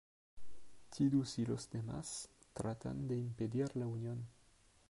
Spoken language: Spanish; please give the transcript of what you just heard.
Tidus y los demás tratan de impedir la unión.